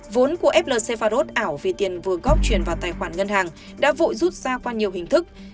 vốn của flc pharos ảo vì tiền vừa góp truyền vào tài khoản ngân hàng đã vụ rút ra qua nhiều hình thức